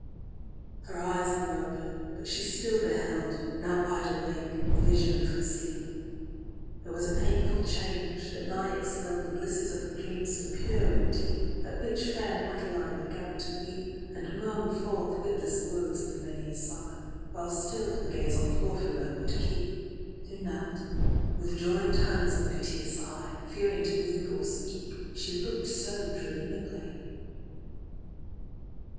XXXIV.Her eyes were open, but she still beheld, Now wide awake, the vision of her sleep:There was a painful change, that nigh expell'dThe blisses of her dream so pure and deepAt which fair Madeline began to weep, And moan forth witless words with many a sigh; While still her gaze on Porphyro would keep; Who knelt, with joined hands and piteous eye, Fearing to move or speak, she look'd so dreamingly.